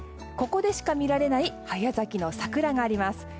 ここでしか見られない早咲きの桜があります。